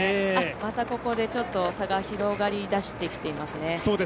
またここでちょっと差が広がりだしてきていますね。